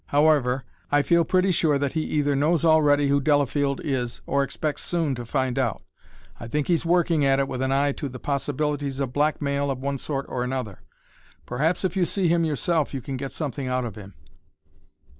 However, I feel pretty sure that he either knows already who Delafield is or expects soon to find out. I think he's working at it with an eye to the possibilities of blackmail of one sort or another. Perhaps if you see him yourself you can get something out of him."